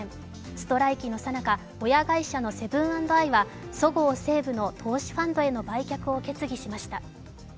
ストライキのさなか親会社のセブン＆アイはそごう・西武の投資ファンドへの売却を決議しました。